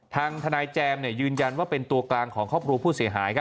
ทางทนายแจมยืนยันว่าเป็นตัวกลางของครอบครัวผู้เสียหาย